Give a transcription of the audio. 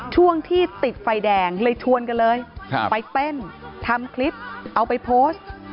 ช่วงที่ติดไฟแดงเลยชวนกันเลยไปเต้นทำคลิปเอาไปโพสต์